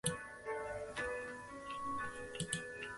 莫内特是一个位于美国阿肯色州克雷格黑德县的城市。